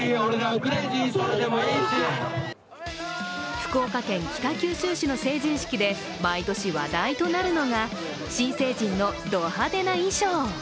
福岡県北九州市の成人式で毎年話題となるのが、新成人のド派手な衣装。